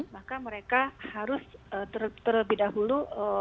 maka mereka harus terlebih dahulu